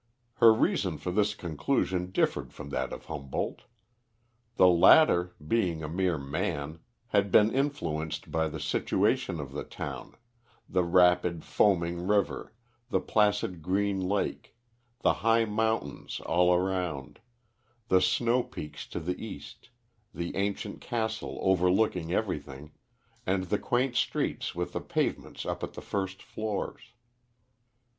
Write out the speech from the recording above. Her reason for this conclusion differed from that of Humboldt. The latter, being a mere man, had been influenced by the situation of the town, the rapid, foaming river, the placid green lake, the high mountains all around, the snow peaks to the east, the ancient castle overlooking everything, and the quaint streets with the pavements up at the first floors.